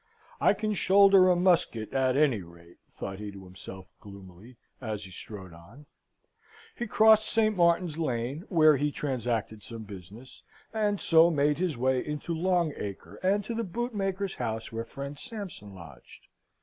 "I can shoulder a musket at any rate," thought he to himself gloomily, as he strode on. He crossed St. Martin's Lane (where he transacted some business), and so made his way into Long Acre, and to the bootmaker's house where friend Sampson lodged.